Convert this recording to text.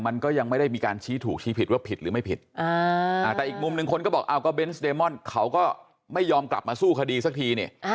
อ้าวก็เบนส์เดมอนเขาก็ไม่ยอมกลับมาสู้คดีสักทีเนี่ย